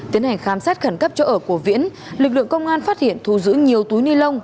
tiến hành khám xét khẩn cấp chỗ ở của viễn lực lượng công an phát hiện thu giữ nhiều túi ni lông